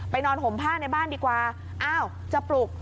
นอนห่มผ้าในบ้านดีกว่าอ้าวจะปลุก